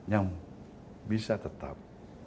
yang bisa tetap